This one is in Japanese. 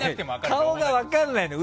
顔が分からないのよ